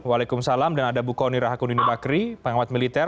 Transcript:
waalaikumsalam dan ada bukoni rahakuni nidakri pengawat militer